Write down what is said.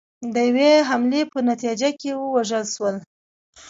د یوې حملې په نتیجه کې ووژل شول